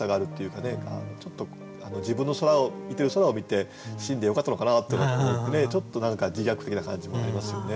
ちょっと自分の見てる空を見て死んでよかったのかなとちょっと自虐的な感じもありますよね。